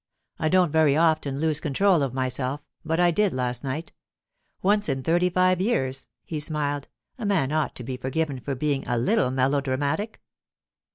I don't very often lose control of myself, but I did last night. Once in thirty five years,' he smiled, 'a man ought to be forgiven for being a little melodramatic.